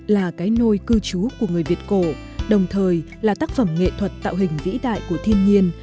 là cái nôi cư trú của người việt cổ đồng thời là tác phẩm nghệ thuật tạo hình vĩ đại của thiên nhiên